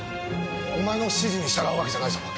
お前の指示に従うわけじゃないぞ。